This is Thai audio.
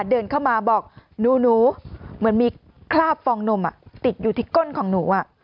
เดินเข้ามาบอกหนูเหมือนมีคราบฟองนมติดอยู่ที่ก้นของหนู